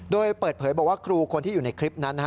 โดยเปิดเผยบอกว่าครูคนที่อยู่ในคลิปนั้น